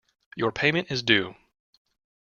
Your payment is due.